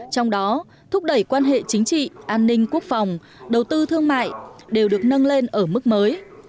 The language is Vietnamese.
trong đó thúc đẩy quan hệ chính trị an ninh quốc phòng đầu tư thương mại đều được nâng lên ở mức mới